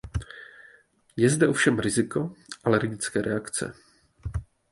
Je zde ovšem riziko alergické reakce.